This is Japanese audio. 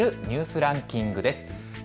ニュースランキングです。